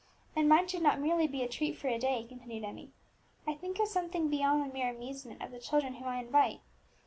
"And mine should not merely be a treat for a day," continued Emmie; "I think of something beyond the mere amusement of the children whom I invite.